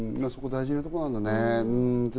そこは大事なところなんだね。